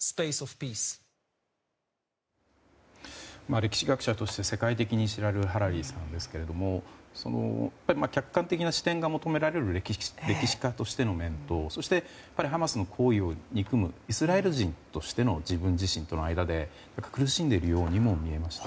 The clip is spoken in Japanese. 歴史学者として、世界的に知られるハラリさんですがやっぱり、客観的な視点が求められる歴史家としての面とそして、ハマスの行為を憎むイスラエル人としての自分自身との間で苦しんでいるようにも見えました。